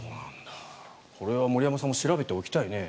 これは森山さんも調べておきたいね。